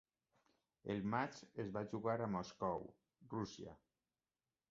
El matx es va jugar a Moscou, Rússia.